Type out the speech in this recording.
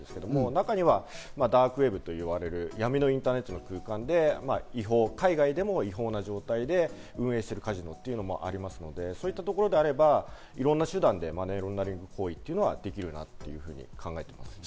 中にはダークウェブといわれる、闇のインターネット、海外でも違法な状態で運営するカジノというのもありますので、そういうところであれば、いろんな手段でマネーロンダリング行為ができると考えられます。